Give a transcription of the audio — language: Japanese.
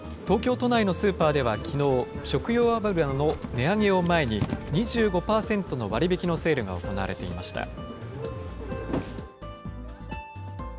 東京都内のスーパーではきのう、食用油の値上げを前に、２５％の割引のセールが行われていました。